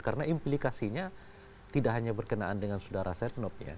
karena implikasinya tidak hanya berkenaan dengan sudara senop ya